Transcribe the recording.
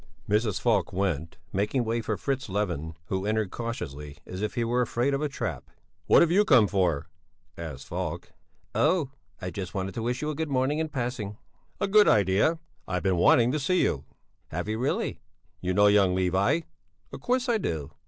Mrs. Falk went, making way for Fritz Levin, who entered cautiously, as if he were afraid of a trap. "What have you come for?" asked Falk. "Oh, I just wanted to wish you a good morning in passing." "A good idea! I've been wanting to see you." "Have you really?" "You know young Levi?" "Of course I do!"